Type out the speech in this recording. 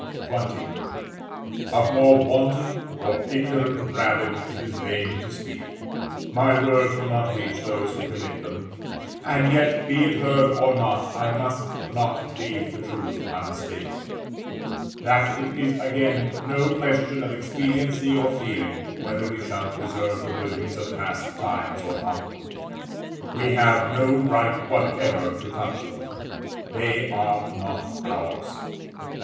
XX. Of more wanton or ignorant ravage it is vain to speak; my words will not reach those who commit them, and yet, be it heard or not, I must not leave the truth unstated, that it is again no question of expediency or feeling whether we shall preserve the buildings of past times or not. We have no right whatever to touch them. They are not ours.